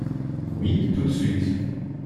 Oui, tout de suite.